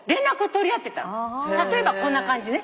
例えばこんな感じね。